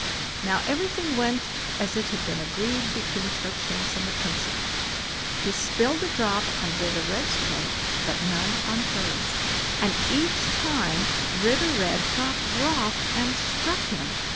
Now everything went as it had been agreed between Shortshanks and the Princess; he spilled a drop on Ritter Red's plate, but none on hers, and each time Ritter Red got wroth and struck him.